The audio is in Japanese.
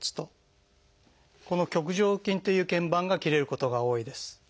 この棘上筋という腱板が切れることが多いです。